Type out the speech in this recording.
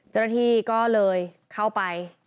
เจ้าหน้าที่ก็เลยเข้าไป